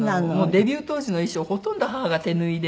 デビュー当時の衣装ほとんど母が手縫いで。